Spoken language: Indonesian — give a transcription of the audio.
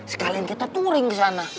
sekalian kita touring kesana